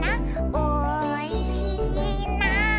「おいしいな」